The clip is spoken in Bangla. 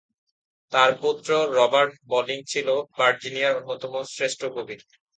তাঁর পৌত্র রবার্ট বলিং ছিলেন ভার্জিনিয়ার অন্যতম শ্রেষ্ঠ কবি।